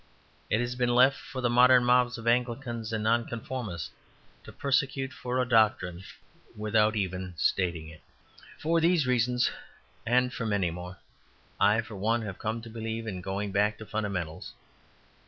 It has been left for the modern mobs of Anglicans and Nonconformists to persecute for a doctrine without even stating it. For these reasons, and for many more, I for one have come to believe in going back to fundamentals.